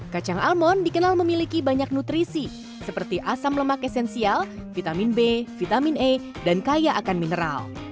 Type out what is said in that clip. kacang almond dikenal memiliki banyak nutrisi seperti asam lemak esensial vitamin b vitamin e dan kaya akan mineral